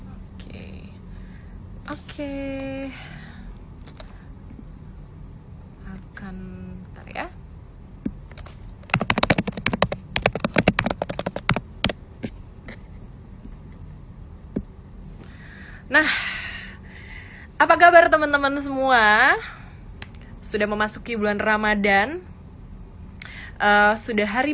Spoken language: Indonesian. oke oke akan terea nah apa kabar teman teman semua sudah memasuki bulan ramadan sudah hari